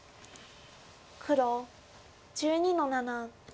黒１２の七。